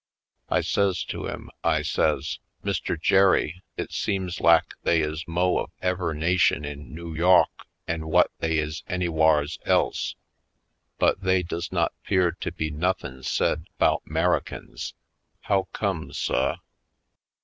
I says to him, I says: "Mr. Jere, it seems lak they is mo' of ever' nation in Noo Yawk 'en whut they is anywhars else. But they does not 'pear to be nothin' said 'bout 'Merikins. How come, suh?"